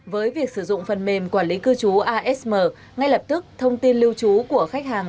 với việc sử dụng phần mềm quản lý cư trú asm ngay lập tức thông tin lưu trú của khách hàng